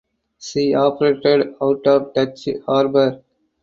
She operated out of Dutch Harbor.